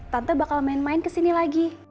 tante bakal main main kesini lagi